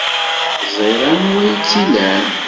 Ẓriɣ anwa ay tt-ilan.